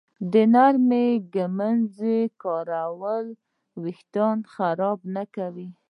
د نرمې ږمنځې کارول وېښتان خراب نه کوي.